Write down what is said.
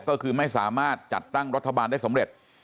ก็คือไม่สามารถจัดตั้งรัฐบาลได้สำเร็จ